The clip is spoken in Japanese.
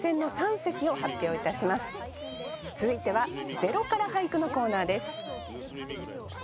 続いては「０から俳句」のコーナーです。